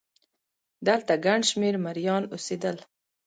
دلته ګڼ شمېر مریان اوسېدل.